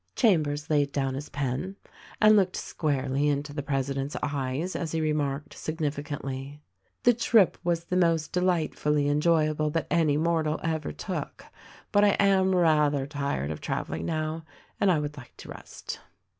Chambers laid down his pen and looked squarely into the president's eyes as he remarked, significantly, "The trip was the most delightfully enjoyable that any mortal ever took ; but I am rather tired of traveling now, — and I would like to rest."